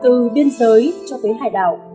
từ biên giới cho tới hải đảo